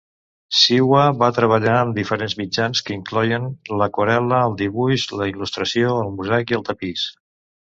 Ciuha va treballar amb diferents mitjans, que incloïen l'aquarel·la, el dibuix, la il·lustració, el mosaic i el tapís.